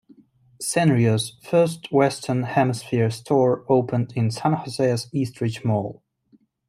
Sanrio's first Western Hemisphere store opened in San Jose's Eastridge Mall.